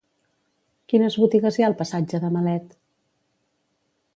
Quines botigues hi ha al passatge de Malet?